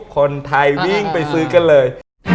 คนไทยวิ่งไปซื้อกันเลย